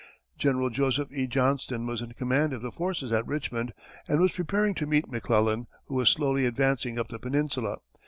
General Joseph E. Johnston was in command of the forces at Richmond, and was preparing to meet McClellan, who was slowly advancing up the peninsula.